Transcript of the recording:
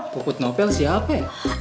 puput novel siapa ya